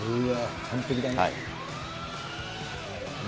完璧だな。